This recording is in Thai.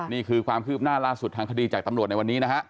นี่คือความคืบหน้าล่าสุดทางคดีจากตำรวจในวันนี้นะฮะ